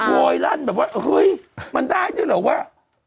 โวยรั่นแบบว่าเฮ้ยมันได้จริงหรือว่า